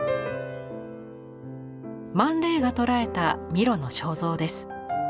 マン・レイが捉えたミロの肖像です。